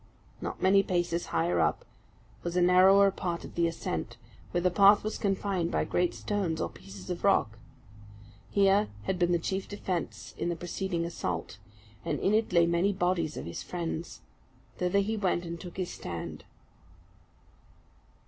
Not many paces higher up, was a narrower part of the ascent, where the path was confined by great stones, or pieces of rock. Here had been the chief defence in the preceding assault, and in it lay many bodies of his friends. Thither he went and took his stand.